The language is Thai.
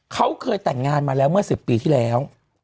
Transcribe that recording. เขาเคยแต่งงานมาแล้วเมื่อ๑๐ปีที่แล้ว